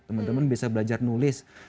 teman teman bisa belajar nulis